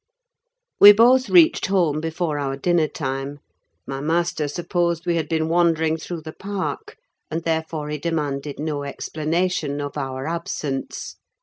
We both reached home before our dinner time; my master supposed we had been wandering through the park, and therefore he demanded no explanation of our absence.